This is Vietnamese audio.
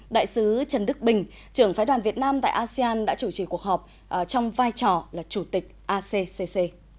đại sứ trần đức bình trưởng phái đoàn việt nam tại asean đã chủ trì cuộc họp trong vai trò là chủ tịch acccc